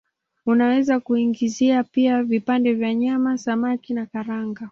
Unaweza kuingiza pia vipande vya nyama, samaki na karanga.